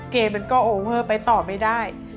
มันก็โอเวอร์ไปต่อไม่ได้